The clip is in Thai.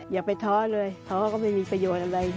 อย่าไปท้อเลยท้อก็ไม่มีประโยชน์อะไร